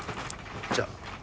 じゃあ。